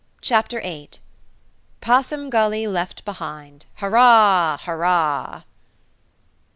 CHAPTER EIGHT Possum Gully Left Behind. Hurrah! Hurrah!